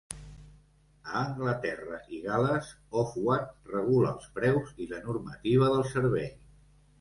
A Anglaterra i Gal·les, Ofwat regula els preus i la normativa del servei.